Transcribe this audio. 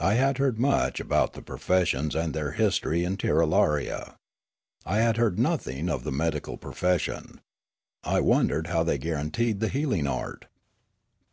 I had heard much about the professions and their history in Tirralaria. I had heard nothing of the medical pro fession. I wondered how they guaranteed the healing art.